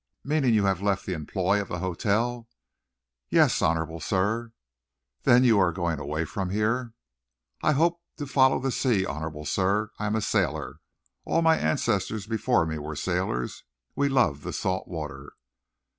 "Meaning you have left the employ of the hotel?" "Yes, honorable sir." "Then you're going away from here?" "I hope to follow the sea, honorable sir. I am a sailor. All my ancestors before me were sailors. We love the salt water."